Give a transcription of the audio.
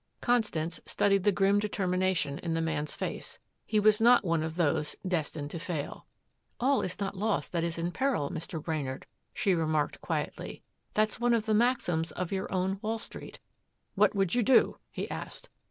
Constance studied the grim determination in the man's face. He was not one of those destined to fail. "All is not lost that is in peril, Mr. Brainard," she remarked quietly. "That's one of the maxims of your own Wall Street." "What would you do?" he asked.